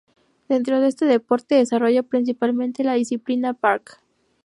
Dentro de este deporte desarrolla principalmente la disciplina "Park".